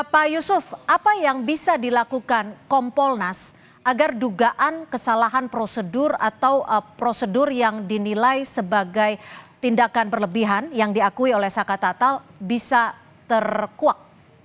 pak yusuf apa yang bisa dilakukan kompolnas agar dugaan kesalahan prosedur atau prosedur yang dinilai sebagai tindakan berlebihan yang diakui oleh saka tatal bisa terkuak